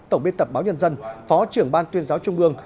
tổng biên tập báo nhân dân phó trưởng ban tuyên giáo trung ương